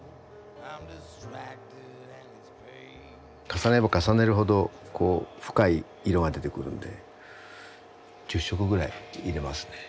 重ねれば重ねるほどこう深い色が出てくるんで十色ぐらい入れますね。